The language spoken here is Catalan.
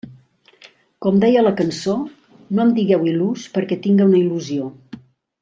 Com deia la cançó, no em digueu il·lús perquè tinga una il·lusió.